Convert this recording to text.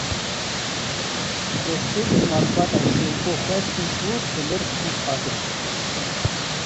Destûr ji malbata Şêrgo xwestin û bi lez çûn qadê.